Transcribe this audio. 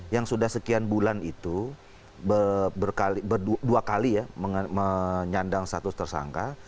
yang sudah sekian bulan itu berdua kali ya menyandang status tersangka